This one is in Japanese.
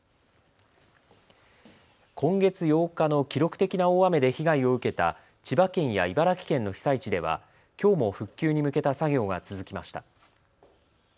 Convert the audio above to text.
今月８日の記録的な大雨で被害を受けた千葉県や茨城県の被災地ではきょうも復旧に向けた作業が続きました。